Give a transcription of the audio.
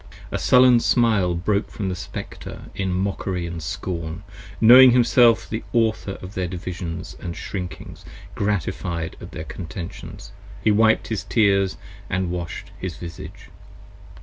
A sullen smile broke from the Spectre in mockery & scorn: 35 Knowing himself the author of their divisions & shrinkings, gratified At their contentions, he wiped his tears, he wash'd his visage.